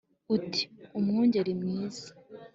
uti: umwungeri mwiza